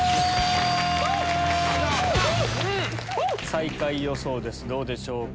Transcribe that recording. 最下位予想ですどうでしょうか？